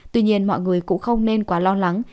tuy nhiên mọi người cũng không nên quá lo lắng